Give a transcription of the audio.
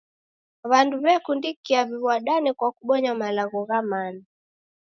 W'andu w'ekundikia w'iw'adane kwa kubonya malagho gha maana.